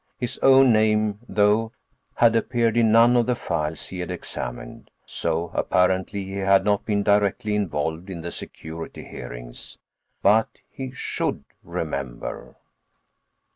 His own name, though, had appeared in none of the files he had examined, so apparently he had not been directly involved in the security hearings. But he should remember.